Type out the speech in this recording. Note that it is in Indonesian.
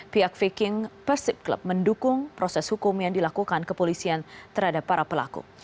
pihak viking persib club mendukung proses hukum yang dilakukan kepolisian terhadap para pelaku